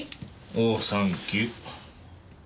おおサンキュー。